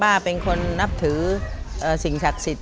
ว่าเป็นคนนับถือสิ่งศักดิ์สิทธิ